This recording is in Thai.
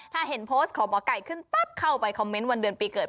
ถ้าเห็นโพสต์ของหมอไก่ขึ้นปั๊บเข้าไปคอมเมนต์วันเดือนปีเกิด